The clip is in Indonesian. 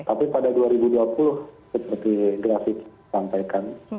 tapi pada dua ribu dua puluh seperti grafik sampaikan